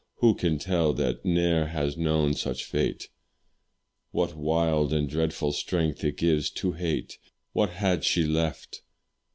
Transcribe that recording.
who can tell that ne'er has known such fate, What wild and dreadful strength it gives to hate? What had she left?